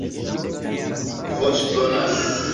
voĉdonas